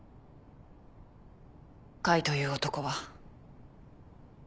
甲斐という男は。